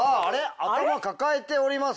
頭抱えております。